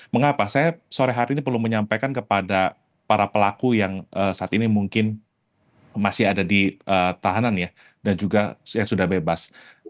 mengapa saya sore hari ini perlu menyampaikan kepada para pelaku yang saat ini mungkin masih ada di tahanan ya dan juga yang sudah bebas